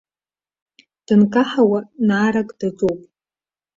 Дынкаҳауа наарак даҿоуп.